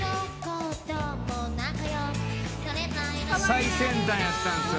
最先端やったんですよね。